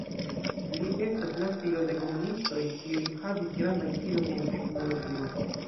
Li estas la filo de komunistoj kiuj havis grandan fidon en teknologio.